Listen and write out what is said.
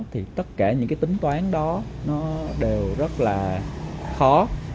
thì tất cả những cái tính toán đó nó đều rất là khó